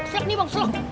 siap nih bang selok